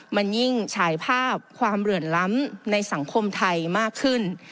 มันยิ่งฉายภาพความเหลื่อนล้ำในสังคมไทยมากขึ้น